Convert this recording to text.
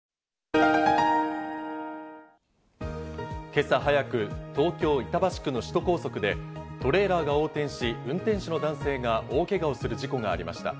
今朝早く、東京・板橋区の首都高速でトレーラーが横転し、運転手の男性が大けがをする事故がありました。